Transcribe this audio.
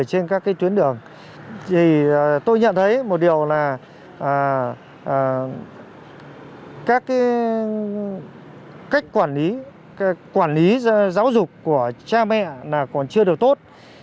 ở trên các tuyến đường tôi nhận thấy một điều là các cách quản lý quản lý giáo dục của cha mẹ còn chưa được tốt